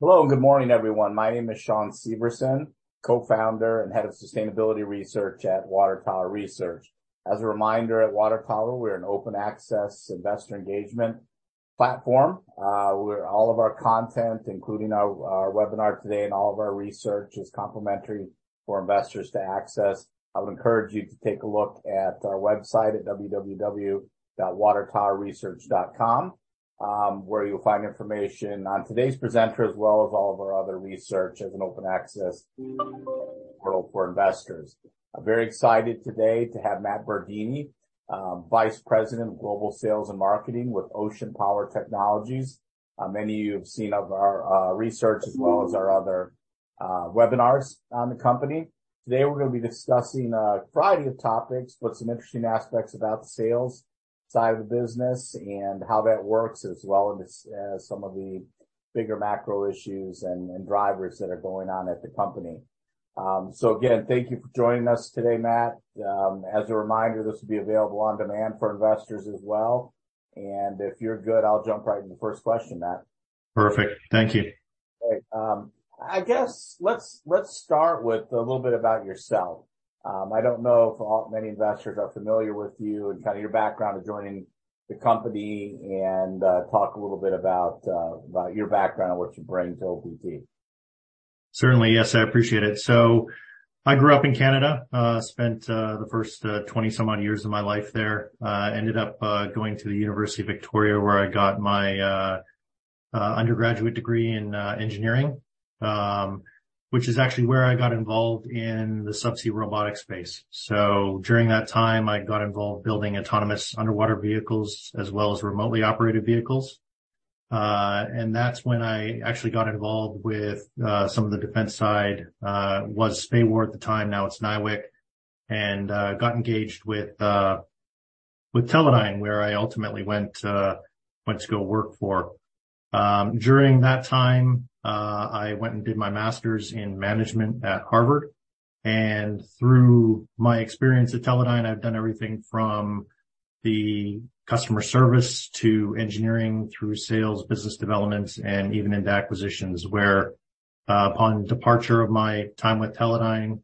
Hello, good morning, everyone. My name is Shawn Severson, Co-Founder and Head of Sustainability Research at Water Tower Research. As a reminder, at Water Tower, we're an open access investor engagement platform. All of our content, including our webinar today and all of our research is complimentary for investors to access. I would encourage you to take a look at our website at www.watertowerresearch.com. You'll find information on today's presenter, as well as all of our other research as an open access portal for investors. I'm very excited today to have Matt Burdyny, Vice President of Global Sales and Marketing with Ocean Power Technologies. Many of you have seen of our research as well as our other webinars on the company. Today, we're gonna be discussing a variety of topics, but some interesting aspects about the sales side of the business and how that works, as well as some of the bigger macro issues and drivers that are going on at the company. Again, thank you for joining us today, Matt. As a reminder, this will be available on demand for investors as well. If you're good, I'll jump right in the first question, Matt. Perfect. Thank you. Great. I guess let's start with a little bit about yourself. I don't know if many investors are familiar with you and kind of your background of joining the company and talk a little bit about your background and what you bring to OPT. Certainly, yes. I appreciate it. I grew up in Canada, spent the first 20 some odd years of my life there. Ended up going to the University of Victoria, where I got my undergraduate degree in engineering, which is actually where I got involved in the subsea robotics space. During that time, I got involved building autonomous underwater vehicles as well as remotely operated vehicles. And that's when I actually got involved with some of the defense side, was SPAWAR at the time, now it's NIWC, and got engaged with Teledyne, where I ultimately went to go work for. During that time, I went and did my master's in management at Harvard. through my experience at Teledyne, I've done everything from the customer service to engineering through sales, business development, and even into acquisitions where, upon departure of my time with Teledyne,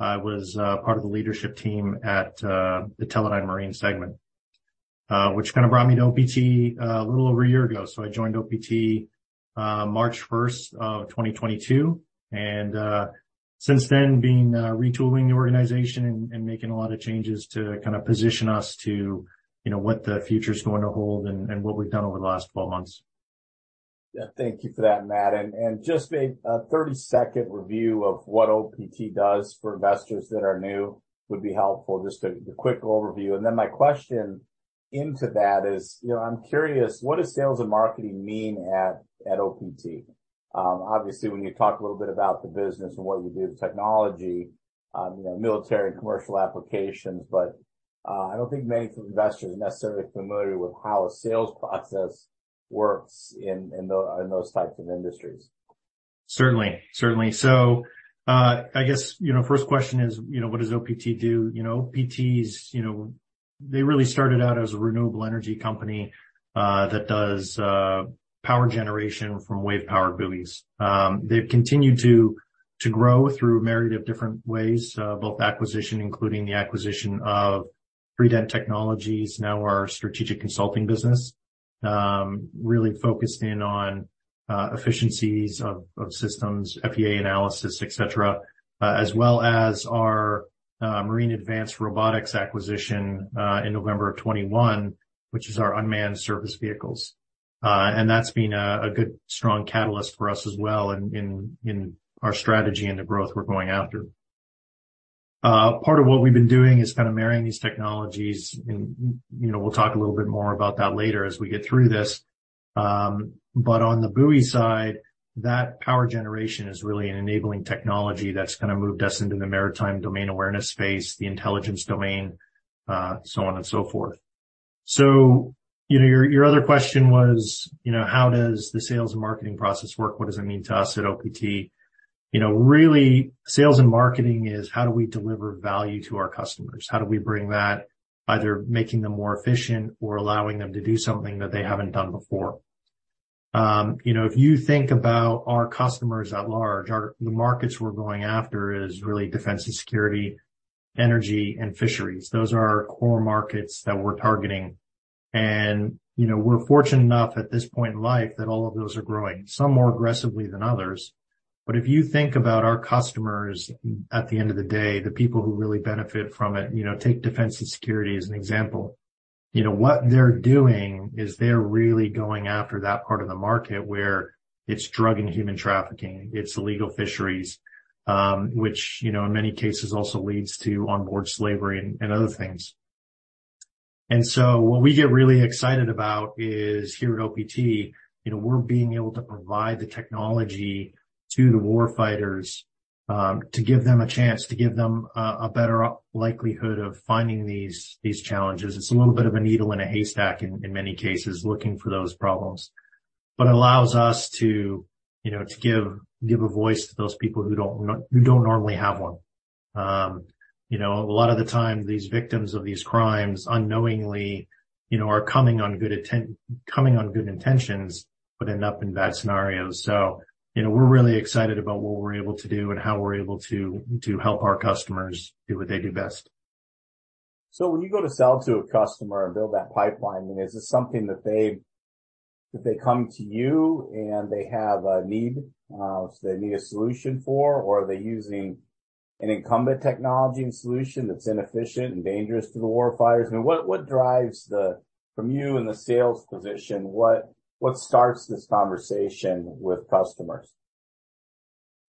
I was part of the leadership team at the Teledyne Marine segment, which kind of brought me to OPT a little over a year ago. I joined OPT, March 1st of 2022. since then, been retooling the organization and making a lot of changes to kind of position us to, you know, what the future is going to hold and what we've done over the last 12 months. Yeah. Thank you for that, Matt. Just a 30-second review of what OPT does for investors that are new would be helpful. Just a quick overview. My question into that is, you know, I'm curious, what does sales and marketing mean at OPT? Obviously, when you talk a little bit about the business and what you do, technology, you know, military and commercial applications, I don't think many investors are necessarily familiar with how a sales process works in those types of industries. Certainly. Certainly. I guess, you know, first question is, you know, what does OPT do? You know, OPT is, you know, they really started out as a renewable energy company that does power generation from wave power buoys. They've continued to grow through a myriad of different ways, both acquisition, including the acquisition of 3Dent Technology, now our strategic consulting business, really focused in on efficiencies of systems, FEA analysis, etc. As well as our Marine Advanced Robotics acquisition in November of 2021, which is our unmanned surface vehicles. That's been a good strong catalyst for us as well in our strategy and the growth we're going after. Part of what we've been doing is kinda marrying these technologies and, you know, we'll talk a little bit more about that later as we get through this. On the buoy side, that power generation is really an enabling technology that's kinda moved us into the maritime domain awareness space, the intelligence domain, so on and so forth. You know, your other question was, you know, how does the sales and marketing process work? What does it mean to us at OPT? You know, really sales and marketing is how do we deliver value to our customers? How do we bring that, either making them more efficient or allowing them to do something that they haven't done before? You know, if you think about our customers at large, the markets we're going after is really defense and security, energy, and fisheries. Those are our core markets that we're targeting. You know, we're fortunate enough at this point in life that all of those are growing, some more aggressively than others. If you think about our customers at the end of the day, the people who really benefit from it, you know, take defense and security as an example. You know, what they're doing is they're really going after that part of the market where it's drug and human trafficking, it's illegal fisheries, which, you know, in many cases also leads to onboard slavery and other things. What we get really excited about is here at OPT, you know, we're being able to provide the technology to the war fighters, to give them a chance, to give them a better likelihood of finding these challenges. It's a little bit of a needle in a haystack in many cases, looking for those problems. Allows us to, you know, to give a voice to those people who don't normally have one. You know, a lot of the time these victims of these crimes unknowingly, you know, are coming on good intentions, but end up in bad scenarios. You know, we're really excited about what we're able to do and how we're able to help our customers do what they do best. When you go to sell to a customer and build that pipeline, I mean, is this something that they come to you and they have a need, they need a solution for? Or are they using an incumbent technology and solution that's inefficient and dangerous to the war fighters? I mean, from you in the sales position, what starts this conversation with customers?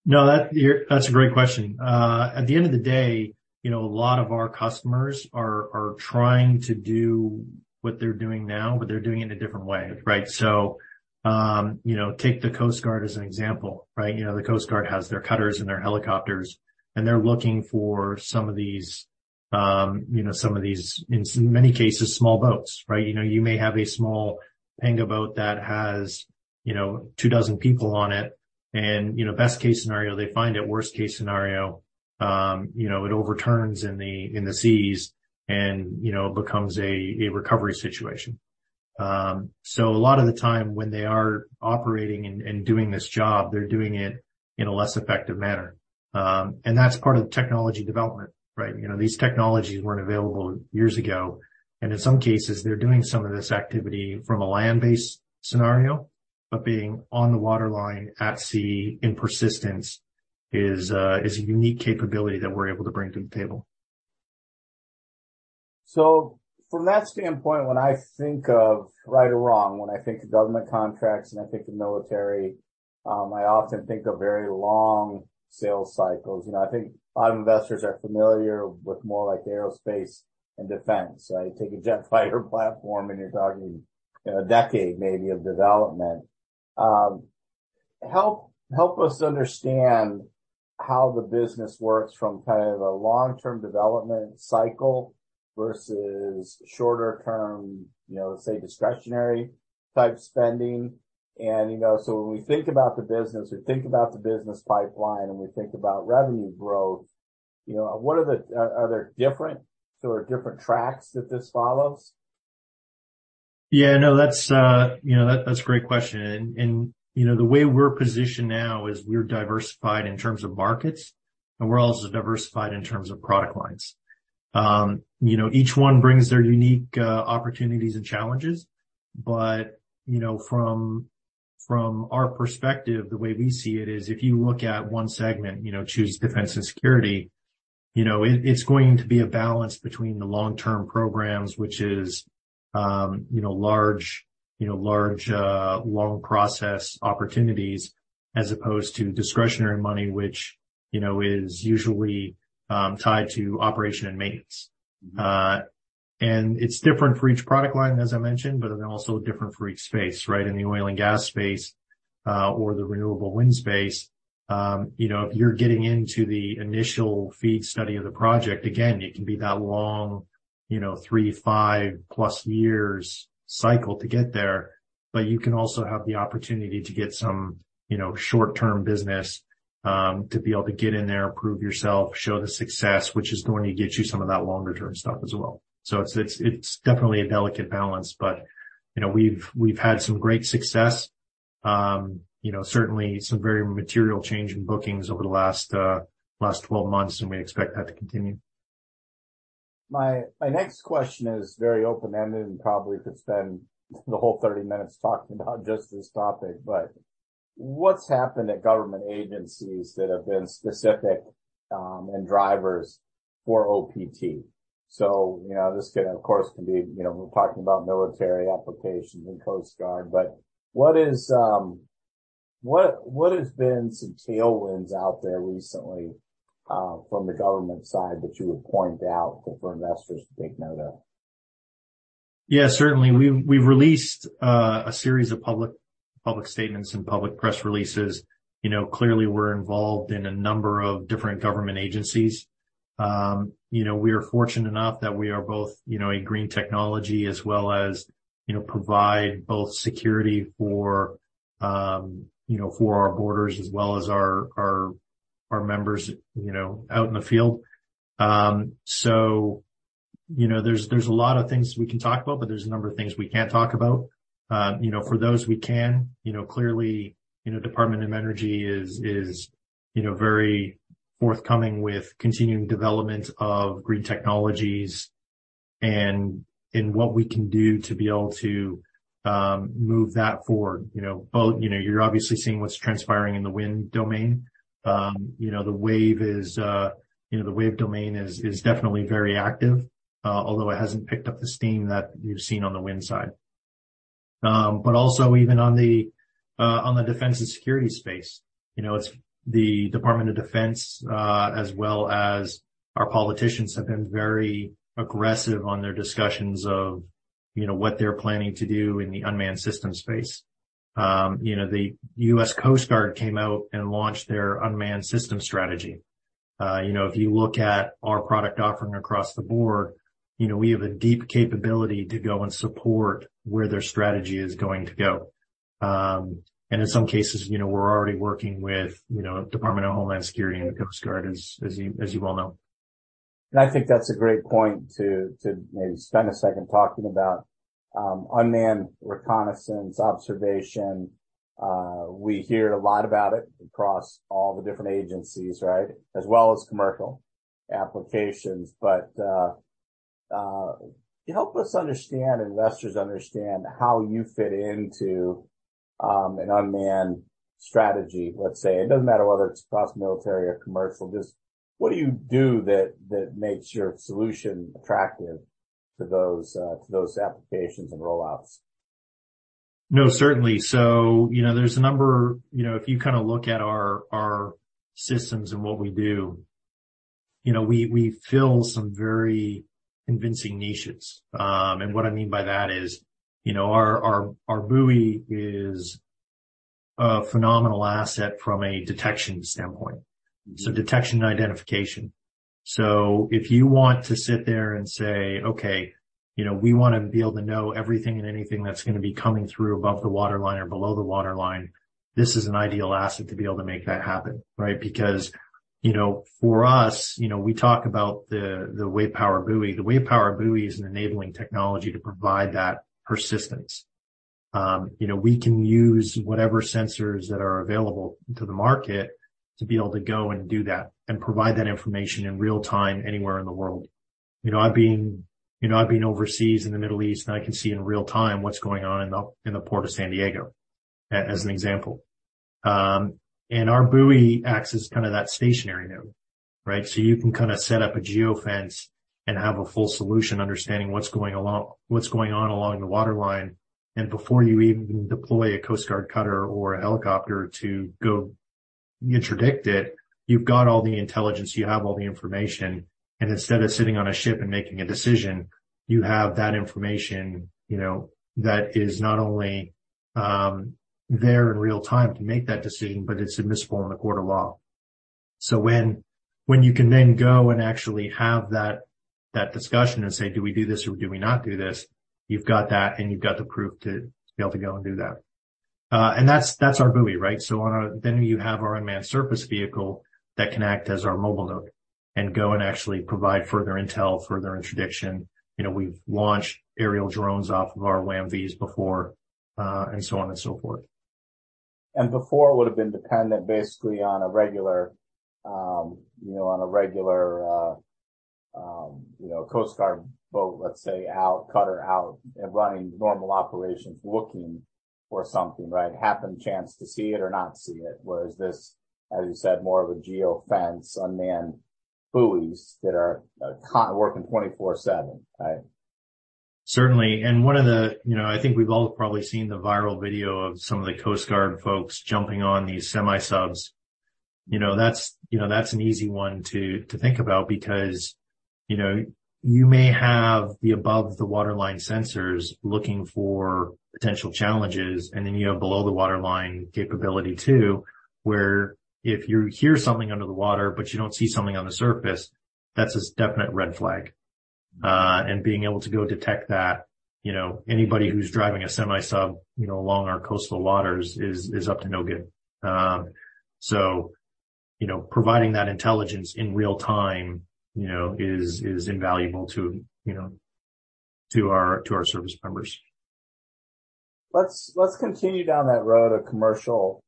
No, that. That's a great question. At the end of the day, you know, a lot of our customers are trying to do what they're doing now, but they're doing it in a different way, right? You know, take the Coast Guard as an example, right? You know, the Coast Guard has their cutters and their helicopters, and they're looking for some of these, many cases, small boats, right? You know, you may have a small panga boat that has, you know, 2 dozen people on it, and, you know, best case scenario, they find it. Worst case scenario, you know, it overturns in the, in the seas and, you know, becomes a recovery situation. A lot of the time when they are operating and doing this job, they're doing it in a less effective manner. That's part of the technology development, right? You know, these technologies weren't available years ago, and in some cases, they're doing some of this activity from a land-based scenario. Being on the waterline at sea in persistence is a unique capability that we're able to bring to the table. From that standpoint, when I think of right or wrong, when I think of government contracts, and I think of military, I often think of very long sales cycles. You know, I think a lot of investors are familiar with more like aerospace and defense, right? Take a jet fighter platform, and you're talking a decade maybe of development. Help us understand how the business works from kind of a long-term development cycle versus shorter term, you know, let's say discretionary type spending. You know, so when we think about the business, we think about the business pipeline, and we think about revenue growth, you know, what are the... Are there different sort of different tracks that this follows? Yeah, no, that's, you know, that's a great question. You know, the way we're positioned now is we're diversified in terms of markets, and we're also diversified in terms of product lines. You know, each one brings their unique opportunities and challenges. You know, from our perspective, the way we see it is, if you look at one segment, you know, choose defense and security, you know, it's going to be a balance between the long-term programs, which is, you know, large, long process opportunities, as opposed to discretionary money, which, you know, is usually tied to operation and maintenance. It's different for each product line, as I mentioned, but then also different for each space, right? In the oil and gas space, or the renewable wind space, you know, if you're getting into the initial FEED study of the project, again, it can be that long, you know, three, 5+ years cycle to get there. You can also have the opportunity to get some, you know, short-term business, to be able to get in there, prove yourself, show the success, which is going to get you some of that longer term stuff as well. It's, it's definitely a delicate balance. You know, we've had some great success, you know, certainly some very material change in bookings over the last 12 months, and we expect that to continue. My next question is very open-ended and probably could spend the whole 30 minutes talking about just this topic. What's happened at government agencies that have been specific and drivers for OPT? You know, this can of course can be, you know, we're talking about military applications and Coast Guard, but what has been some tailwinds out there recently from the government side that you would point out for investors to take note of? Yeah, certainly. We've released a series of public statements and public press releases. You know, clearly we're involved in a number of different government agencies. You know, we are fortunate enough that we are both, you know, a green technology as well as, you know, provide both security for, you know, for our borders as well as our members, you know, out in the field. You know, there's a lot of things we can talk about, but there's a number of things we can't talk about. You know, for those we can, you know, clearly, you know, Department of Energy is, you know, very forthcoming with continuing development of green technologies and what we can do to be able to move that forward. You know, both, you know, you're obviously seeing what's transpiring in the wind domain. You know, the wave is, you know, the wave domain is definitely very active, although it hasn't picked up the steam that you've seen on the wind side. Also even on the defense and security space, you know, it's the Department of Defense, as well as our politicians have been very aggressive on their discussions of, you know, what they're planning to do in the unmanned system space. You know, the U.S. Coast Guard came out and launched their unmanned system strategy. You know, if you look at our product offering across the board, you know, we have a deep capability to go and support where their strategy is going to go. In some cases, you know, we're already working with, you know, Department of Homeland Security and the Coast Guard as you well know. I think that's a great point to maybe spend a second talking about unmanned reconnaissance observation. We hear a lot about it across all the different agencies, right? As well as commercial applications. Help us understand, investors understand how you fit into an unmanned strategy, let's say. It doesn't matter whether it's across military or commercial, just what do you do that makes your solution attractive to those to those applications and roll-outs? No, certainly. You know, if you kinda look at our systems and what we do, you know, we fill some very convincing niches. What I mean by that is, you know, our buoy is a phenomenal asset from a detection standpoint. Detection and identification. If you want to sit there and say, "Okay, you know, we wanna be able to know everything and anything that's gonna be coming through above the waterline or below the waterline," this is an ideal asset to be able to make that happen, right? Because, you know, for us, you know, we talk about the Wave PowerBuoy. The Wave PowerBuoy is an enabling technology to provide that persistence. You know, we can use whatever sensors that are available to the market to be able to go and do that and provide that information in real time anywhere in the world. You know, I've been, you know, I've been overseas in the Middle East, and I can see in real time what's going on in the Port of San Diego as an example. Our buoy acts as kind of that stationary node, right? You can kinda set up a geofence and have a full solution understanding what's going on along the waterline. Before you even deploy a Coast Guard cutter or a helicopter to go interdict it, you've got all the intelligence, you have all the information, and instead of sitting on a ship and making a decision, you have that information, you know, that is not only, there in real time to make that decision, but it's admissible in a court of law. When you can then go and actually have that discussion and say, "Do we do this or do we not do this?" You've got that and you've got the proof to be able to go and do that. That's our buoy, right? You have our unmanned surface vehicle that can act as our mobile node and go and actually provide further intel, further interdiction. You know, we've launched aerial drones off of our WAM-Vs before, and so on and so forth. Before would've been dependent basically on a regular, you know, Coast Guard boat, let's say, out, cutter out and running normal operations looking for something, right? Happen chance to see it or not see it. Whereas this, as you said, more of a geofence, unmanned buoys that are, working 24/7, right? Certainly. You know, I think we've all probably seen the viral video of some of the Coast Guard folks jumping on these semi-subs. You know, that's, you know, that's an easy one to think about because, you know, you may have the above the waterline sensors looking for potential challenges, and then you have below the waterline capability too, where if you hear something under the water but you don't see something on the surface, that's a definite red flag. Being able to go detect that, you know, anybody who's driving a semi-sub, you know, along our coastal waters is up to no good. Providing that intelligence in real time, you know, is invaluable to, you know, to our service members. Let's continue down that road of commercial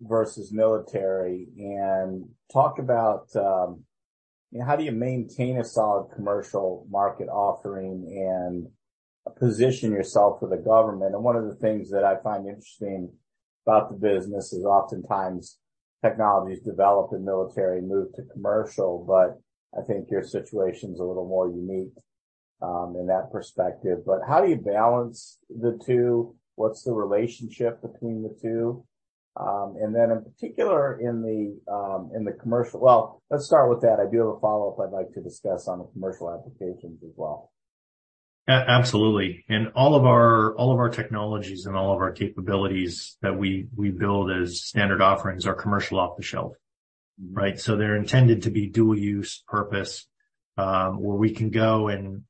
versus military and talk about, you know, how do you maintain a solid commercial market offering and position yourself for the government? One of the things that I find interesting about the business is oftentimes technology is developed in military and move to commercial, but I think your situation's a little more unique in that perspective. How do you balance the two? What's the relationship between the two? Well, let's start with that. I do have a follow-up I'd like to discuss on the commercial applications as well. Absolutely. All of our technologies and all of our capabilities that we build as standard offerings are commercial off-the-shelf, right? They're intended to be dual use purpose, where we can go and,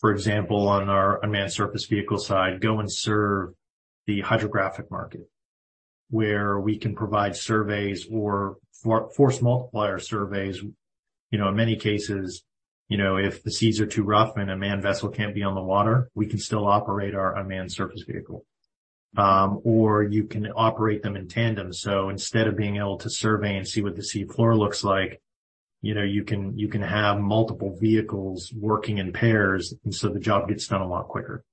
for example, on our unmanned surface vehicle side, go and serve the hydrographic market, where we can provide surveys or force multiplier surveys. You know, in many cases, you know, if the seas are too rough and a manned vessel can't be on the water, we can still operate our unmanned surface vehicle. Or you can operate them in tandem. Instead of being able to survey and see what the seafloor looks like, you know, you can have multiple vehicles working in pairs, the job gets done a lot quicker.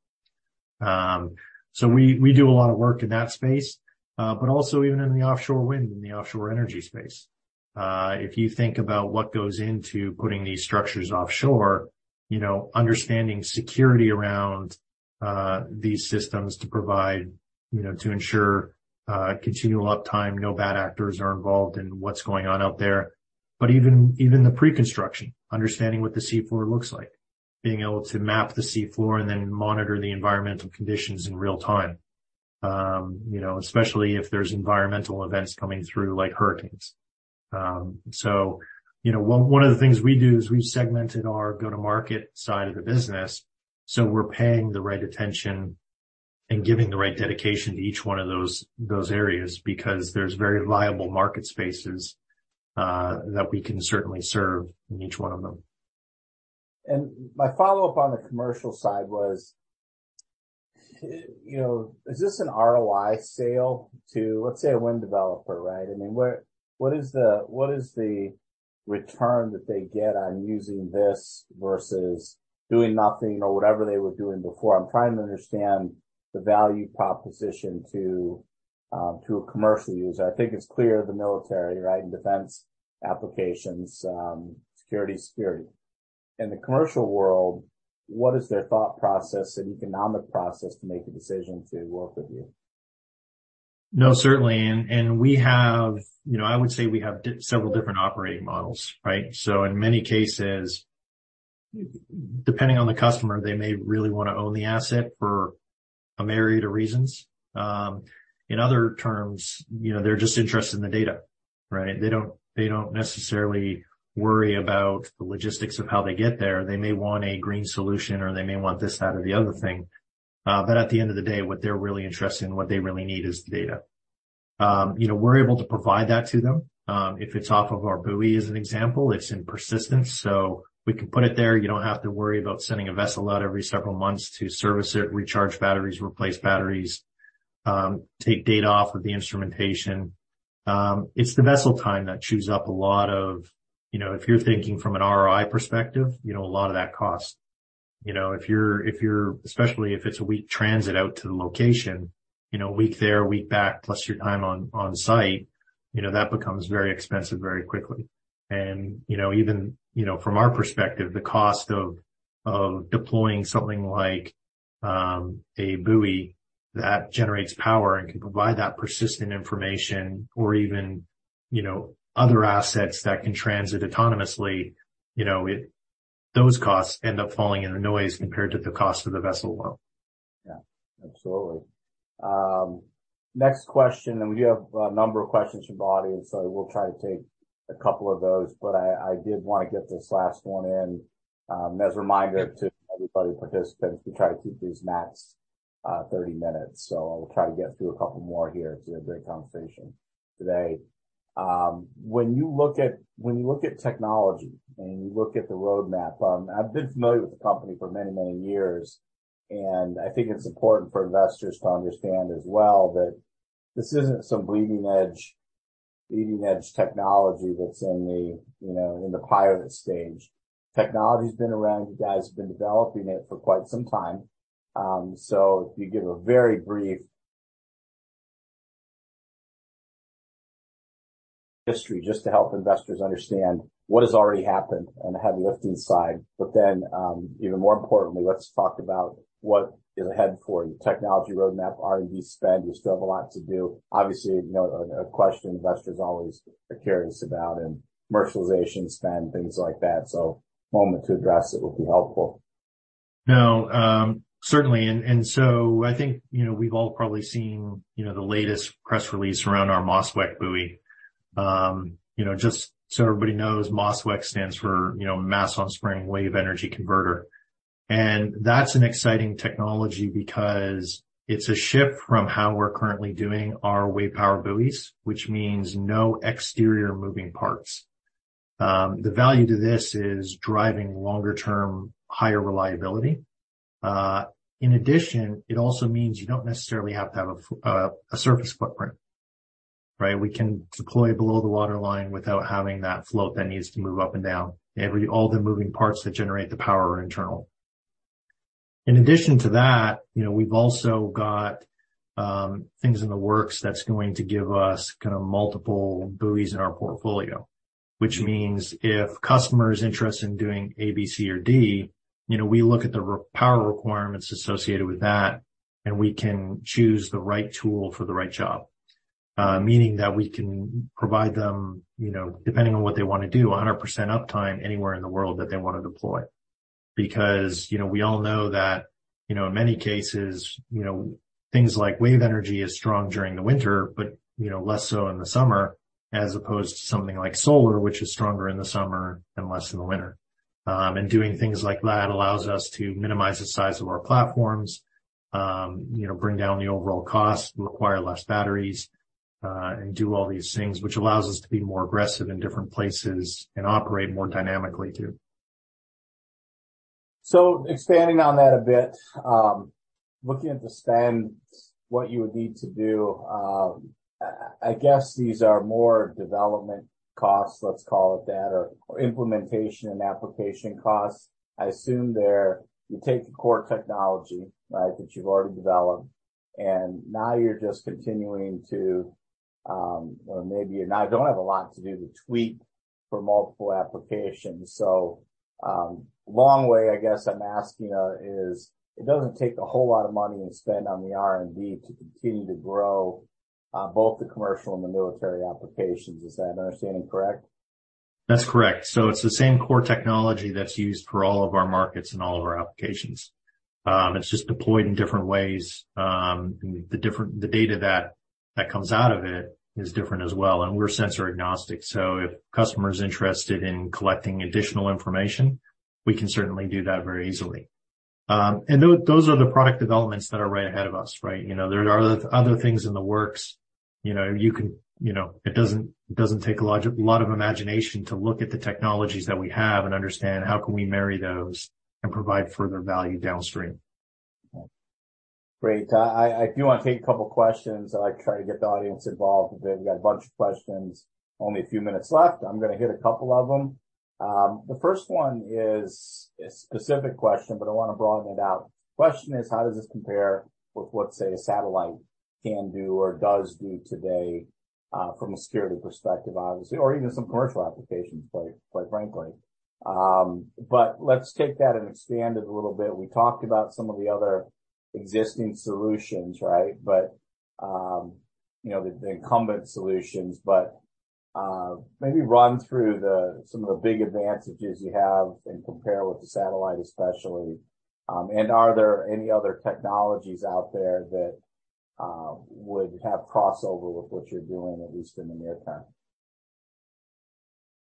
We do a lot of work in that space. Also even in the offshore wind and the offshore energy space. If you think about what goes into putting these structures offshore, you know, understanding security around these systems to provide, you know, to ensure continual uptime, no bad actors are involved in what's going on out there. Even, even the pre-construction, understanding what the seafloor looks like, being able to map the seafloor and then monitor the environmental conditions in real time. You know, especially if there's environmental events coming through, like hurricanes. You know, one of the things we do is we've segmented our go-to-market side of the business, so we're paying the right attention and giving the right dedication to each one of those areas, because there's very viable market spaces that we can certainly serve in each one of them. My follow-up on the commercial side was, you know, is this an ROI sale to, let's say, a wind developer, right? I mean, what is the, what is the return that they get on using this versus doing nothing or whatever they were doing before? I'm trying to understand the value proposition to a commercial user. I think it's clear the military, right, in defense applications, security is security. In the commercial world, what is their thought process and economic process to make a decision to work with you? No, certainly. We have, you know, I would say we have several different operating models, right? In many cases, depending on the customer, they may really wanna own the asset for a myriad of reasons. In other terms, you know, they're just interested in the data, right? They don't necessarily worry about the logistics of how they get there. They may want a green solution, or they may want this, that, or the other thing. At the end of the day, what they're really interested in, what they really need is the data. You know, we're able to provide that to them. If it's off of our buoy, as an example, it's in persistence, so we can put it there. You don't have to worry about sending a vessel out every several months to service it, recharge batteries, replace batteries, take data off of the instrumentation. It's the vessel time that chews up a lot of. You know, if you're thinking from an ROI perspective, you know, a lot of that cost. You know, especially if it's a week transit out to the location, you know, a week there, a week back, plus your time on-site, you know, that becomes very expensive very quickly. You know, even, you know, from our perspective, the cost of deploying something like a buoy that generates power and can provide that persistent information or even, you know, other assets that can transit autonomously, those costs end up falling in the noise compared to the cost of the vessel alone. Yeah. Absolutely. Next question. We do have a number of questions from the audience, so we'll try to take a couple of those. I did wanna get this last one in, as a reminder to everybody, participants, we try to keep these max 30 minutes, so I will try to get through a couple more here. It's been a great conversation today. When you look at, when you look at technology and you look at the roadmap, I've been familiar with the company for many, many years. I think it's important for investors to understand as well that this isn't some bleeding edge technology that's in the, you know, in the pilot stage. Technology's been around. You guys have been developing it for quite some time. If you give a very brief history just to help investors understand what has already happened and the heavy lifting side. Even more importantly, let's talk about what is ahead for you. Technology roadmap, R&D spend, you still have a lot to do. Obviously, you know, a question investors always are curious about and commercialization spend, things like that. A moment to address it would be helpful. No, certainly. I think, you know, we've all probably seen, you know, the latest press release around our MOSWEC buoy. You know, just so everybody knows, MOSWEC stands for, you know, Mass-on-Spring Wave Energy Converter. That's an exciting technology because it's a shift from how we're currently doing our wave power buoys, which means no exterior moving parts. The value to this is driving longer-term, higher reliability. In addition, it also means you don't necessarily have to have a surface footprint, right? We can deploy below the waterline without having that float that needs to move up and down. All the moving parts that generate the power are internal. In addition to that, you know, we've also got things in the works that's going to give us kinda multiple buoys in our portfolio, which means if a customer is interested in doing A, B, C, or D, you know, we look at the power requirements associated with that, and we can choose the right tool for the right job. Meaning that we can provide them, you know, depending on what they wanna do, 100% uptime anywhere in the world that they wanna deploy. You know, we all know that, you know, in many cases, you know, things like wave energy is strong during the winter, but, you know, less so in the summer, as opposed to something like solar, which is stronger in the summer and less in the winter. Doing things like that allows us to minimize the size of our platforms, you know, bring down the overall cost, require less batteries, and do all these things, which allows us to be more aggressive in different places and operate more dynamically too. Expanding on that a bit, looking at the spend, what you would need to do, I guess these are more development costs, let's call it that, or implementation and application costs. I assume there, you take the core technology, right, that you've already developed, and now you're just continuing to. Or maybe you're not. Don't have a lot to do but tweak for multiple applications. Long way, I guess, I'm asking, is it doesn't take a whole lot of money and spend on the R&D to continue to grow, both the commercial and the military applications. Is that understanding correct? That's correct. It's the same core technology that's used for all of our markets and all of our applications. It's just deployed in different ways, the different-- the data that comes out of it is different as well. We're sensor-agnostic, so if customer is interested in collecting additional information, we can certainly do that very easily. Those are the product developments that are right ahead of us, right? You know, there are other things in the works, you know. You know, it doesn't take a lot of imagination to look at the technologies that we have and understand how can we marry those and provide further value downstream. Great. I do wanna take a couple questions. I like try to get the audience involved with it. We've got a bunch of questions, only a few minutes left. I'm gonna hit a couple of them. The first one is a specific question, but I wanna broaden it out. Question is, how does this compare with what, say, a satellite can do or does do today, from a security perspective, obviously, or even some commercial applications, quite frankly. Let's take that and expand it a little bit. We talked about some of the other existing solutions, right? You know, the incumbent solutions, but maybe run through the some of the big advantages you have and compare with the satellite especially. Are there any other technologies out there that would have crossover with what you're doing, at least in the near term?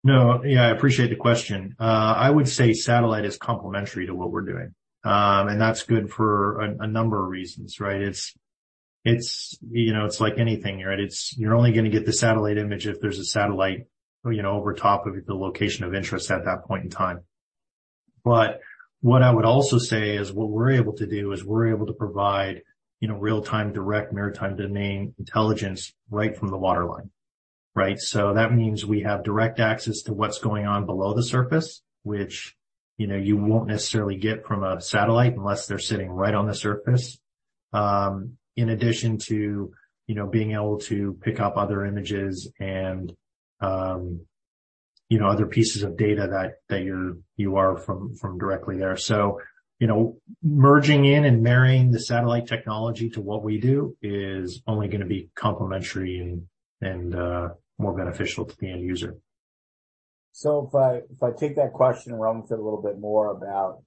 No. Yeah, I appreciate the question. I would say satellite is complementary to what we're doing. That's good for a number of reasons, right? It's, you know, it's like anything, right? It's you're only gonna get the satellite image if there's a satellite, you know, over top of the location of interest at that point in time. What I would also say is what we're able to do is we're able to provide, you know, real-time direct maritime domain intelligence right from the waterline, right? That means we have direct access to what's going on below the surface, which, you know, you won't necessarily get from a satellite unless they're sitting right on the surface. In addition to, you know, being able to pick up other images and, you know, other pieces of data that you are from directly there. You know, merging in and marrying the satellite technology to what we do is only gonna be complementary and more beneficial to the end user. If I take that question and run with it a little bit more about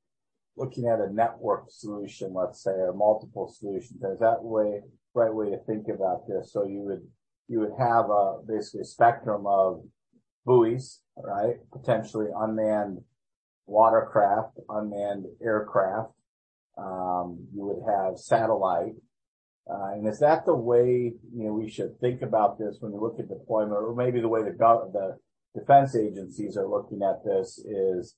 looking at a network solution, let's say a multiple solution, is that the right way to think about this? You would have a basically a spectrum of buoys, right? Potentially unmanned watercraft, unmanned aircraft. You would have satellite. Is that the way, you know, we should think about this when we look at deployment? Or maybe the way the defense agencies are looking at this is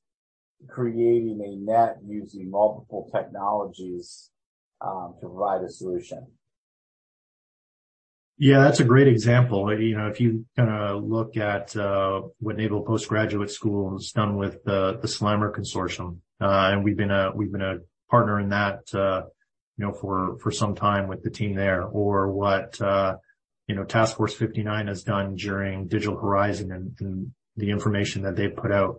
creating a net using multiple technologies to provide a solution. Yeah, that's a great example. You know, if you kinda look at what Naval Postgraduate School has done with the SLAMR consortium, and we've been a partner in that, you know, for some time with the team there. What you know, Task Force 59 has done during Digital Horizon and the information that they've put out.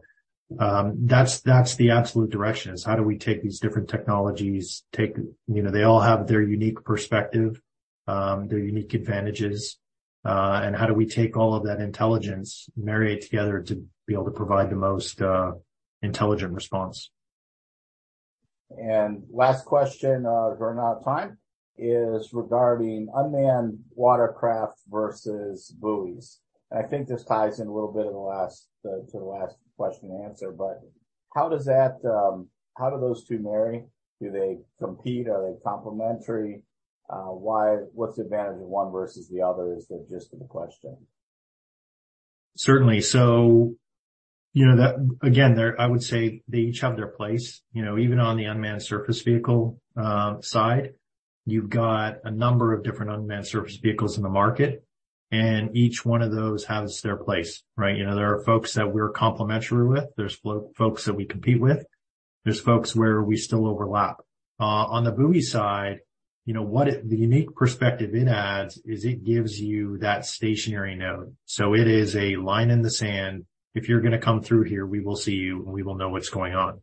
That's the absolute direction, is how do we take these different technologies. You know, they all have their unique perspective, their unique advantages, and how do we take all of that intelligence and marry it together to be able to provide the most intelligent response. Last question, we're running out of time, is regarding unmanned watercraft versus buoys. I think this ties in a little bit to the last question and answer. How does that, how do those two marry? Do they compete? Are they complementary? What's the advantage of one versus the other, is the gist of the question? Certainly. You know, that again, they're I would say they each have their place. You know, even on the unmanned surface vehicle side, you've got a number of different unmanned surface vehicles in the market, and each one of those has their place, right? You know, there are folks that we're complementary with, there's folks that we compete with, there's folks where we still overlap. On the buoy side, you know, what it the unique perspective it adds is it gives you that stationary node. It is a line in the sand, "If you're gonna come through here, we will see you, and we will know what's going on."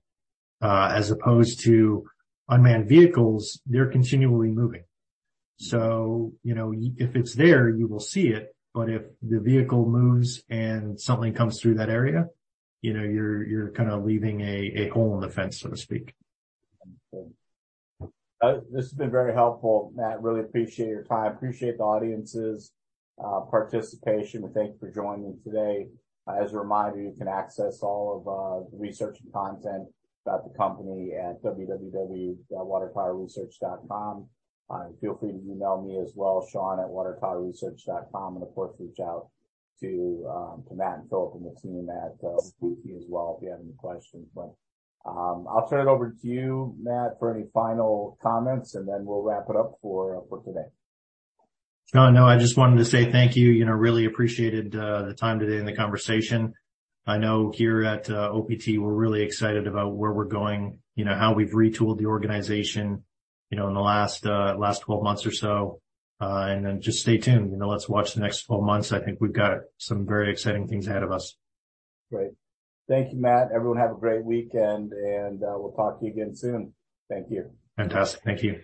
As opposed to unmanned vehicles, they're continually moving. You know, if it's there, you will see it, but if the vehicle moves and something comes through that area, you know, you're kinda leaving a hole in the fence, so to speak. Understood. This has been very helpful, Matt. Really appreciate your time. Appreciate the audience's participation, thank you for joining today. As a reminder, you can access all of the research and content about the company at www.watertowerresearch.com. Feel free to email me as well, shawn@watertowerresearch.com, of course, reach out to Matt and Philip and the team at OPT as well if you have any questions. I'll turn it over to you, Matt, for any final comments, then we'll wrap it up for today. Oh, no, I just wanted to say thank you. You know, really appreciated the time today and the conversation. I know here at OPT, we're really excited about where we're going, you know, how we've retooled the organization, you know, in the last 12 months or so. Just stay tuned. You know, let's watch the next 12 months. I think we've got some very exciting things ahead of us. Great. Thank you, Matt. Everyone have a great weekend, and we'll talk to you again soon. Thank you. Fantastic. Thank you.